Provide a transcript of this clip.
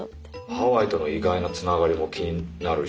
ハワイとの意外なつながりも気になるし。